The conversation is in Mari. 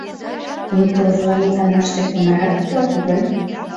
Кум тылзылан иканаште кунаррак пуат гын?